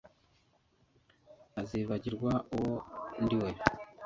azibagirwa uwo ndiwe